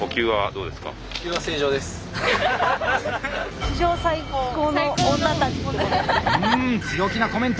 うん強気なコメント！